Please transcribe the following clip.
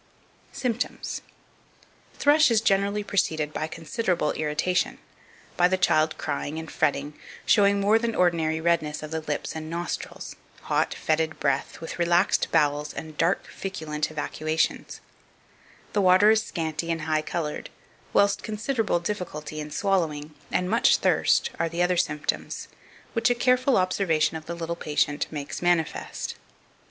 2527. Symptoms. Thrush is generally preceded by considerable irritation, by the child crying and fretting, showing more than ordinary redness of the lips and nostrils, hot fetid breath, with relaxed bowels, and dark feculent evacuations; the water is scanty and high coloured; whilst considerable difficulty in swallowing, and much thirst, are the other symptoms, which a careful observation of the little patient makes manifest.